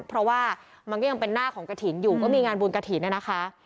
เพราะว่ามันก็ยังเป็นหน้าของกระถิ่นอยู่ก็มีงานบุญกระถิ่นนะคะ